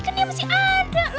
kan ya masih ada